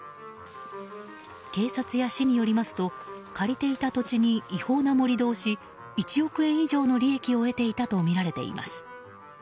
警察や市によりますと借りていた土地に違法な盛り土をし１億円以上の利益を得ていたとみられています。